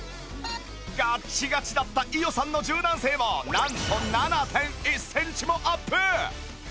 ガッチガチだった伊代さんの柔軟性もなんと ７．１ センチもアップ！